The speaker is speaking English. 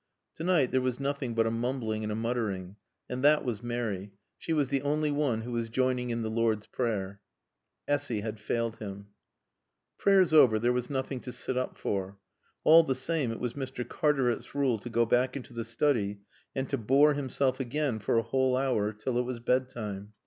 To night there was nothing but a mumbling and a muttering. And that was Mary. She was the only one who was joining in the Lord's Prayer. Essy had failed him. Prayers over, there was nothing to sit up for. All the same, it was Mr. Cartaret's rule to go back into the study and to bore himself again for a whole hour till it was bed time.